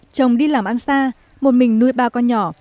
chồng đi làm ăn xa một mình nuôi ba con nhỏ